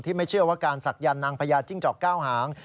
ไม่เชื่อว่าการศักยันต์นางพญาจิ้งจอกเก้าหาง